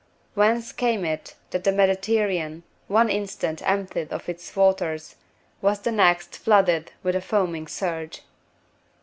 Whence came it that the Mediterranean, one instant emptied of its waters, was the next flooded with a foaming surge?